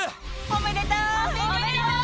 おめでとう！